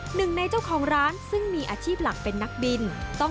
หนึ่งในเจ้าของร้านซึ่งมีอาชีพหลักเป็นนักบิน